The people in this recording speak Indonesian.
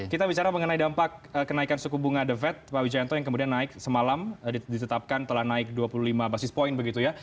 kita bicara mengenai dampak kenaikan suku bunga the fed pak wijayanto yang kemudian naik semalam ditetapkan telah naik dua puluh lima basis point begitu ya